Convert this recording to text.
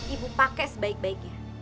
ibu pake sebaik baiknya